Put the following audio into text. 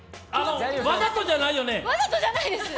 わざとじゃないです！